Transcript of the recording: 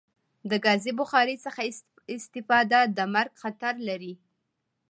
د کازی بخاری څخه استفاده د مرګ خطر لری